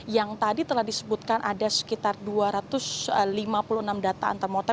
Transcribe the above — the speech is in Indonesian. yang tadi telah disebutkan ada sekitar dua ratus lima puluh enam data antemortem